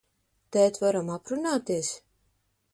Tēt, varam aprunāties?